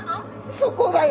そこだよ。